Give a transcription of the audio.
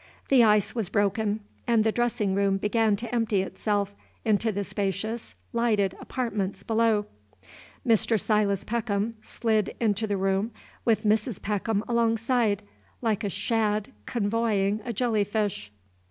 The ice was broken, and the dressing room began to empty itself into the spacious, lighted apartments below. Mr. Silas Peckham slid into the room with Mrs. Peckham alongside, like a shad convoying a jelly fish.